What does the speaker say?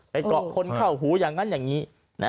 เกาะคนเข้าหูอย่างนั้นอย่างนี้